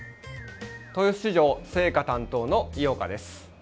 豊洲市場青果担当の井岡です。